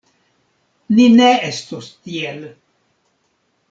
Ni ne estos tiel!